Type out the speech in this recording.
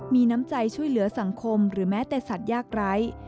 มีน้ำใจช่วยเหลือสังคมหรือแม้แต่สัตว์ยากไร้